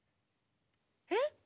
えっ？